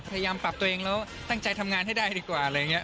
เปรยามปรับตัวเองแล้วตั้งใจทำงานให้ได้กว่าละยังงี้